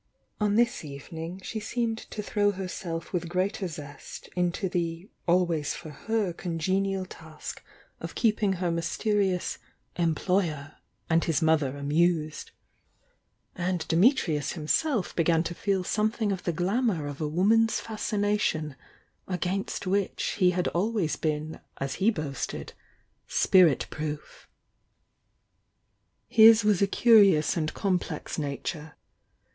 On this eve ning she seemed to throw herself with greater zest into the always for her congenial task of keeping m 186 THE YOUNG DIANA •:« her mystenous "employer" and his mother amused, —and Dimitrius himself began to feel something of the glamour of a woman's fascination against which he had always been as he boasted— "spirit proof." His was a curious and complex nature.